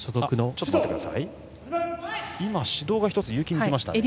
今、指導が１つ結城に来ましたね。